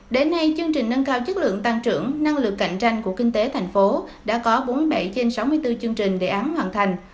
đến nay chương trình nâng cao chất lượng tăng trưởng năng lực cạnh tranh của kinh tế thành phố đã có bốn mươi bảy trên sáu mươi bốn chương trình đề án hoàn thành